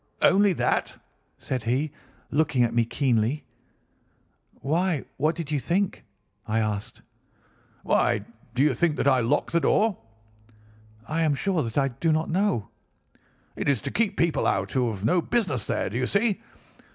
"'Only that?' said he, looking at me keenly. "'Why, what did you think?' I asked. "'Why do you think that I lock this door?' "'I am sure that I do not know.' "'It is to keep people out who have no business there. Do you see?